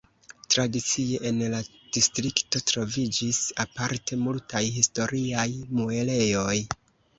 Tradicie en la distrikto troviĝis aparte multaj historiaj muelejoj.